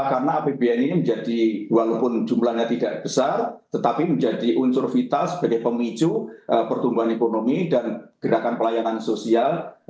karena apbn ini menjadi walaupun jumlahnya tidak besar tetapi menjadi unsur vital sebagai pemicu pertumbuhan ekonomi dan gerakan pelayanan sosial